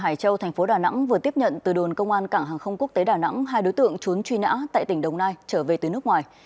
hải châu thành phố đà nẵng vừa tiếp nhận từ đồn công an cảng hàng không quốc tế đà nẵng hai đối tượng trốn truy nã tại tỉnh đồng nai trở về từ nước ngoài